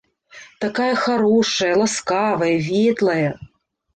Такая харошая, ласкавая, ветлая.